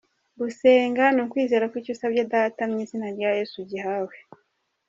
Gusenga ni ukwizera ko icyo usabye Data mu izina rya Yesu ugihawe.